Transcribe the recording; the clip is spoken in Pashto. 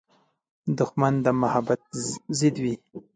دښمن د محبت ضد وي